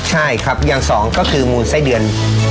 ใช่ครับอย่างสองก็คือมูลไส้เดือน